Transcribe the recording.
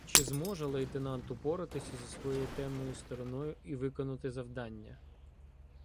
Чи зможе лейтенант упоратися зі своєю темною стороною і виконати завдання?